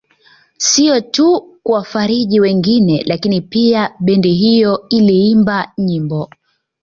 Sio tu kuwafariji wengine lakini pia bendi hiyo iliimba nyimbo